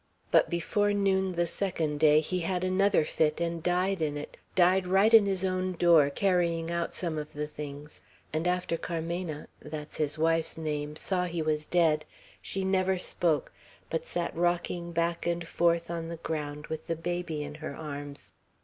But before noon the second day he had another fit, and died in it, died right in his own door, carrying out some of the things; and after Carmena that's his wife's name saw he was dead, she never spoke, but sat rocking back and forth on the ground, with the baby in her arms.